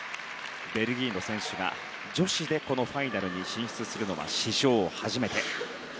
ベルギーの選手が女子でファイナルに進出するのは史上初めて。